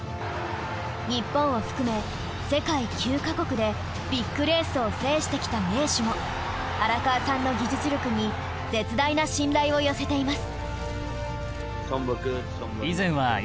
日本を含め世界９か国でビッグレースを制してきた名手も荒川さんの技術力に絶大な信頼を寄せています。